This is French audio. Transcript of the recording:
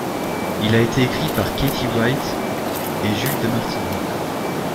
Il a été écrit par Katie White et Jules De Martino.